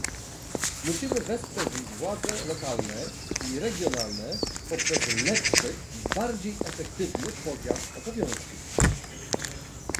Musimy wesprzeć władze lokalne i regionalne poprzez lepszy i bardziej efektywny podział obowiązków